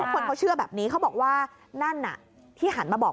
คนเขาเชื่อแบบนี้เขาบอกว่านั่นน่ะที่หันมาบอก